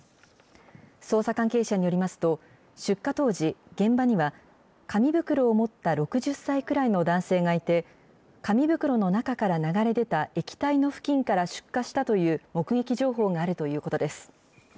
捜査関係者によりますと、出火当時、現場には、紙袋を持った６０歳くらいの男性がいて、紙袋の中から流れ出た液体の付近から出火したという目撃情報があるということです。